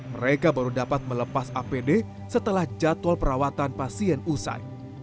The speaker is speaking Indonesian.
mereka baru dapat melepas apd setelah jadwal perawatan pasien usai